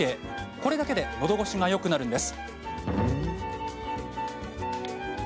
これだけでのどごしがよくなるんです。